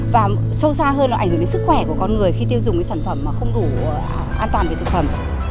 và sâu xa hơn là ảnh hưởng đến sức khỏe của con người khi tiêu dùng cái sản phẩm mà không đủ an toàn về thực phẩm